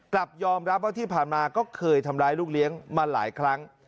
กลับยอมรับว่าที่ผ่านมาก็เคยทำร้ายลูกเลี้ยงมาหลายครั้ง